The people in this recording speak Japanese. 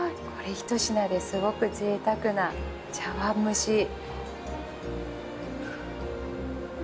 これひと品ですごくぜいたくな茶碗蒸し。